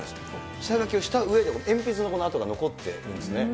下描きをしたうえで、鉛筆のこの跡が残ってるんですね。